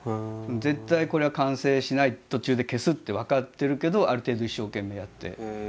絶対これは完成しない途中で消すって分かってるけどある程度一生懸命やって。